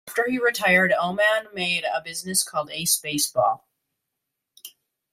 After he retired, Ohman made a business called Ace Baseball.